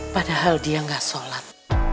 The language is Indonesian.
padahal dia gak sholat